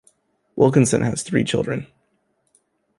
Wilkinson has three children.